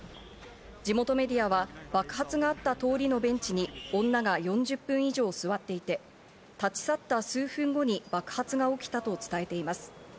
地元メディアは爆発があった通りのベンチに女が４０分以上座っていて、立ち去った数分後に爆発が起きたと伝えています。